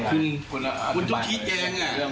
คุณต้องชี้แจง